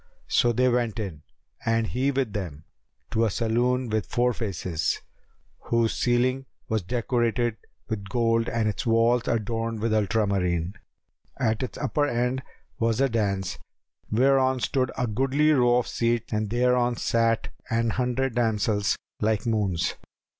So they went in (and he with them) to a saloon with four faces, whose ceiling was decorated with gold and its walls adorned with ultramarine.[FN#280] At its upper end was a daпs, whereon stood a goodly row of seats[FN#281] and thereon sat an hundred damsels like moons.